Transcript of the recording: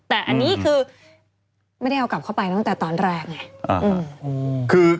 แต่อันนี้คือไม่ได้เอากลับเข้าไปตั้งแต่ตอนแรกไง